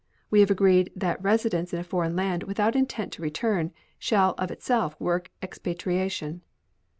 We have agreed that residence in a foreign land without intent to return, shall of itself work expatriation.